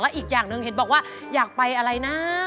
อีกอย่างหนึ่งเห็นบอกว่าอยากไปอะไรนะ